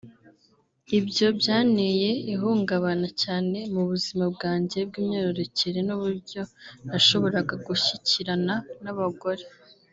Ibyo byanteye ihungabana cyane mu buzima bwanjye bw’imyororokere n’uburyo nashoboraga gushyikirana n’abagore